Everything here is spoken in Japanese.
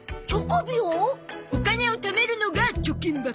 お金をためるのが貯金箱。